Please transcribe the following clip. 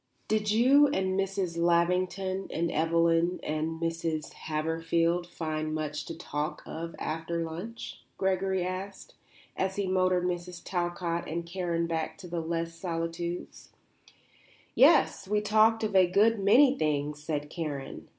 "Did you and Mrs. Lavington and Evelyn and Mrs. Haverfield find much to talk of after lunch?" Gregory asked, as he motored Mrs. Talcott and Karen back to Les Solitudes. "Yes; we talked of a good many things," said Karen.